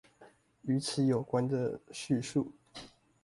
與此有關的敘述